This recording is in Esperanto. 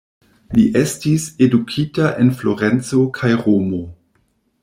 Li estis edukita en Florenco kaj Romo.